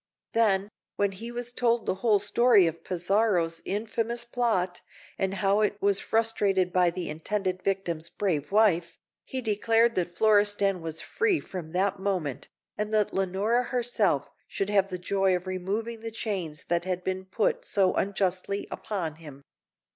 Then, when he was told the whole story of Pizarro's infamous plot, and how it was frustrated by the intended victim's brave wife, he declared that Florestan was free from that moment, and that Leonora herself should have the joy of removing the chains that had been put so unjustly upon him.